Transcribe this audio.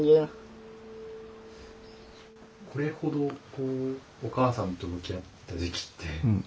これほどこうお母さんと向き合った時期って。